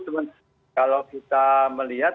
cuman kalau kita melihat